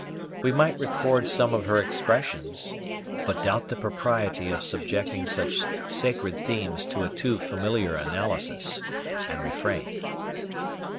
We might record some of her expressions, but doubt the propriety of subjecting such sacred themes to a too familiar analysis, and refrain.